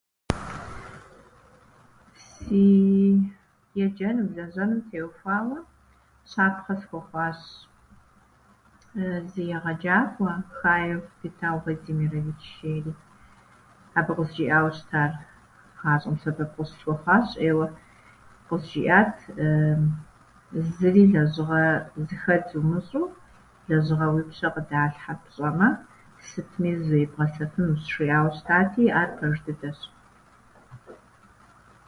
Сии еджэн, лэжьэным теухуауэ щапхъэ схуэхъуащ зы егъэджакӏуэ - Хаев Битал Владимирович жери. Абы къызжиӏауэ щыта, гъащӏэм сэбэп къыщысхуэхъуащ ӏейуэ. Къызжиӏат зыри лэжьыгъэ зыхэдз умыщӏу, лэжьыгъэ уи пщэ къыдалъхьэр пщӏэмэ, сытми зебгъэсэфынущ жиӏауэ щытати, ар пэж дыдэщ.